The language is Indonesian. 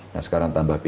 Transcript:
nah sekarang tambah p tiga